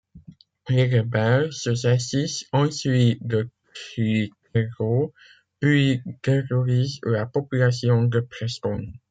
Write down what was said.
Les rebelles se saisissent ensuite de Clitheroe, puis terrorisent la population de Preston.